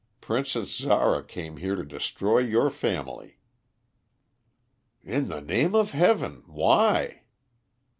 Princess Zara came here to destroy your family." "In the name of Heaven, why?"